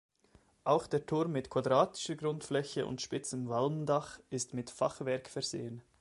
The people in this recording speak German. Auch der Turm mit quadratischer Grundfläche und spitzem Walmdach ist mit Fachwerk versehen.